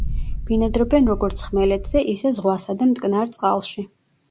ბინადრობენ როგორც ხმელეთზე, ისე ზღვასა და მტკნარ წყალში.